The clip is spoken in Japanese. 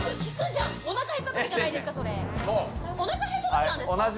おなか減ったときなんですか？